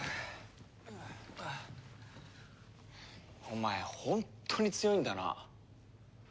お前ホントに強いんだな。